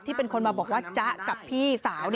เป็นคนมาบอกว่าจ๊ะกับพี่สาว